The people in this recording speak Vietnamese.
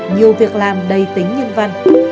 nhiều việc làm đầy tính nhân văn